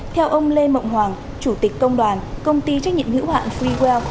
theo ông lê mộng hoàng chủ tịch công đoàn công ty trách nhiệm hữu hạn freewell